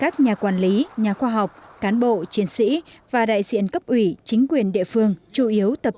chính sĩ nhà khoa học cán bộ chiến sĩ và đại diện cấp ủy chính quyền địa phương chủ yếu tập